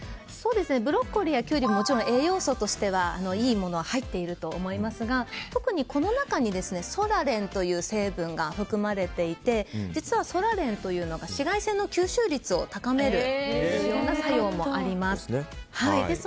ブロッコリーやキュウリは栄養素としてはいいもの入ってると思いますが特にこの中にソラレンという成分が含まれていて実はソラレンというのが紫外線の吸収率を高めるような作用もあります。